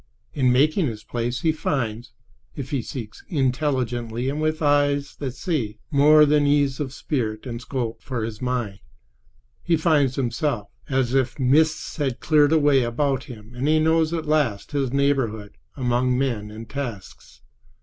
In making his place he finds, if he seek intelligently and with eyes that see, more than ease of spirit and scope for his mind. He finds himself—as if mists had cleared away about him and he knew at last his neighborhood among men and tasks.